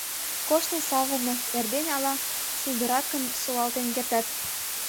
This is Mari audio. — Коштын савырне, эрдене ала шулдыракын солалтен кертат.